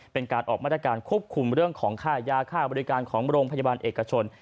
เป็นการออกมาตรการควบคุมเรื่องของค่ายาค่าบริการของโรงพยาบาลเอกชน